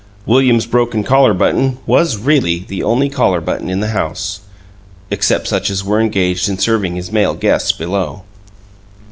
William's broken collar button was really the only collar button in the house, except such as were engaged in serving his male guests below.